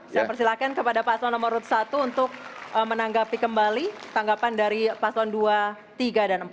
saya persilahkan kepada paslon nomor satu untuk menanggapi kembali tanggapan dari paslon dua tiga dan empat